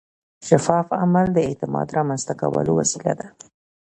شفاف عمل د اعتماد رامنځته کولو وسیله ده.